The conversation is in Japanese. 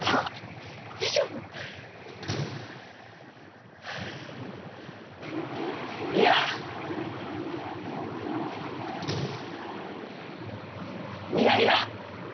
大丈夫？いや。いやいや！